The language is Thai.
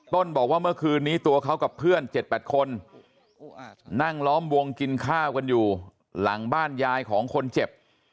ต้นบอกว่าเมื่อคืนนี้ตัวเขากับเพื่อน๗๘คนนั่งล้อมวงกินข้าวกันอยู่หลังบ้านยายของคนเจ็บ